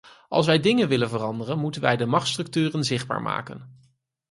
Als wij dingen willen veranderen, moeten wij de machtsstructuren zichtbaar maken.